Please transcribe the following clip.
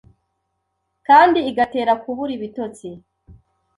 kandi igatera kubura ibitotsi